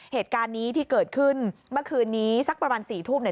เหตุการณ์นี้ที่เกิดขึ้นเมื่อคืนนี้สักประมาณสี่ทุ่มเนี่ย